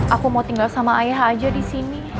aku mau tinggal sama ayah aja di sini